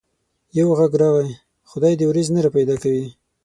يو غږ راغی: خدای دي وريځ نه را پيدا کوي.